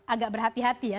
agak berhati hati ya